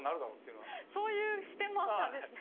そういう視点もあったんですね。